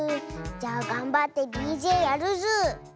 じゃあがんばってＤＪやるズー。